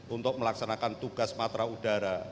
untuk melaksanakan tugas matra udara